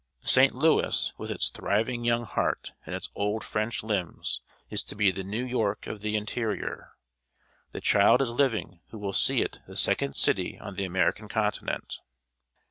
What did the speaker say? St. Louis, "with its thriving young heart, and its old French limbs," is to be the New York of the interior. The child is living who will see it the second city on the American continent.